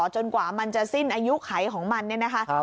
จนกว่ามันจะสิ้นอายุไขของมันเนี่ยนะคะ